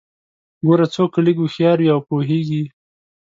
ګوره څوک که لږ هوښيار وي او پوهیږي